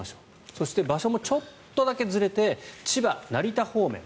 そして、場所もちょっとだけずれて千葉・成田方面。